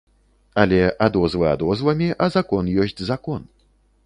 Але адозвы адозвамі, а закон ёсць закон.